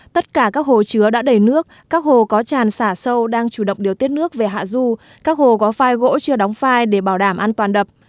tất cả các hồ chứa đã đầy nước các hồ có tràn xả sâu đang chủ động điều tiết nước về hạ du các hồ có phai gỗ chưa đóng phai để bảo đảm an toàn đập